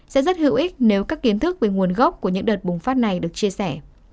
sẽ rất hữu ích nếu các kiến thức về nguồn gốc của những đợt bùng phát này được chia sẻ